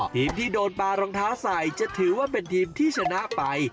ทีมที่โดนปลารองเท้าใส่จะถือว่าเป็นทีมที่ชนะไป